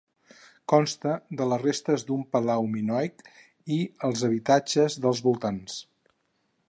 Consta de les restes d'un palau minoic i els habitatges dels voltants.